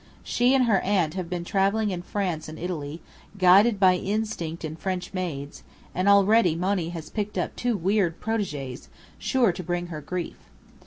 She and her aunt have been travelling in France and Italy, guided by instinct and French maids, and already Monny has picked up two weird protégées, sure to bring her to grief.